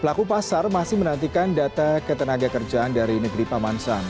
pelaku pasar masih menantikan data ketenaga kerjaan dari negeri pamansan